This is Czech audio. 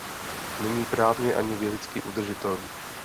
Není právně ani vědecky udržitelný.